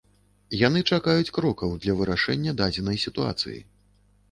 Яны чакаюць крокаў для вырашэння дадзенай сітуацыі.